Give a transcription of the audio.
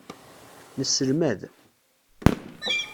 Nesselmad.